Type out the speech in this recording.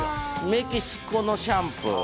メキシコのシャンプー。